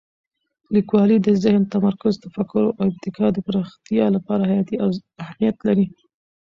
لیکوالی د ذهن تمرکز، تفکر او ابتکار د پراختیا لپاره حیاتي اهمیت لري.